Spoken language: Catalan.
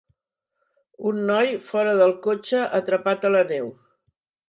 Un noi fora del cotxe atrapat a la neu.